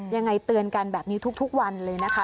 ยังไงเตือนกันแบบนี้ทุกวันเลยนะคะ